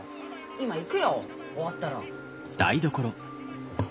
今行くよ終わったら。